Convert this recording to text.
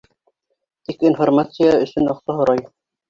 Тик информация өсөн аҡса һорай.